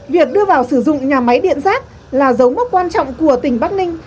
việc đưa vào sử dụng nhà máy điện rác là dấu mốc quan trọng của tỉnh bắc ninh